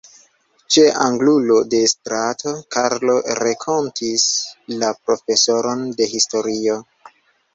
Ĉe angulo de strato Karlo renkontis la profesoron de historio.